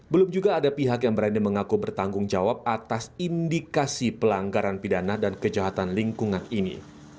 belum juga ada pihak yang berani mengaku bertanggung jawab atas indikasi pelanggaran pidana dan kejahatan lingkungan ini